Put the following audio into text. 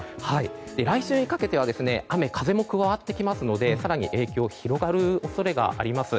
来週にかけては雨風も加わってきますので更に影響、広がる恐れがあります。